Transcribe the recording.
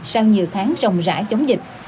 sau nhiều tháng rồng rãi chống dịch